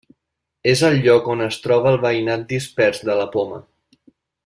És el lloc on es troba el veïnat dispers de la Poma.